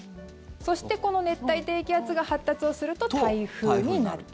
そして、この熱帯低気圧が発達をすると台風になる。